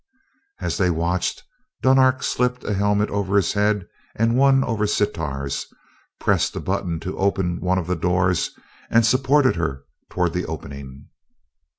As they watched, Dunark slipped a helmet over his head and one over Sitar's, pressed a button to open one of the doors, and supported her toward the opening.